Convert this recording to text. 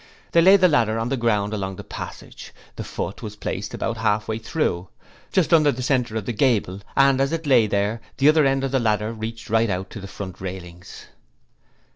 They laid the ladder on the ground along this passage, the 'foot' was placed about half way through; just under the centre of the gable, and as it lay there, the other end of the ladder reached right out to the front railings.